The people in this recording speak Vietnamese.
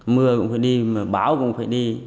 mưa cũng phải đi báo cũng phải đi